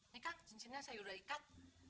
hai nikah cincinnya saya udah ikat